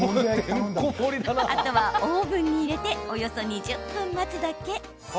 あとは、オーブンに入れておよそ２０分、待つだけ。